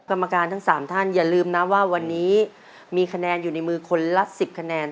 กรรมการทั้ง๓ท่านอย่าลืมนะว่าวันนี้มีคะแนนอยู่ในมือคนละ๑๐คะแนน